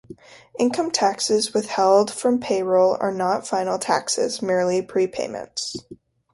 Income taxes withheld from payroll are not final taxes, merely prepayments.